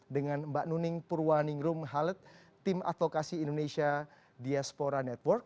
dengan mbak nuning purwaningrum halet tim advokasi indonesia diaspora network